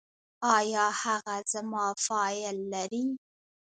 ایا هغه زما فایل لري؟